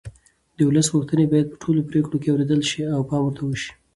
د ولس غوښتنې باید په ټولو پرېکړو کې اورېدل شي او پام ورته وشي